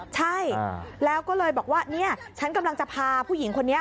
ใช่แล้วก็เลยบอกว่าเนี่ยฉันกำลังจะพาผู้หญิงคนนี้